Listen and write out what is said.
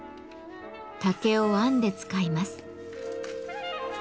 竹を編んで使います。